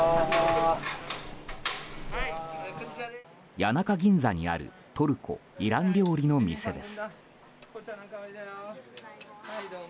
谷中銀座にあるトルコ・イラン料理の店です。